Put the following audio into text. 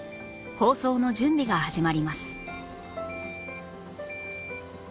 放送の準備が始まります